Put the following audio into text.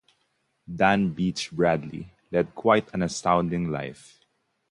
Dan Beach Bradley led quite an astounding life.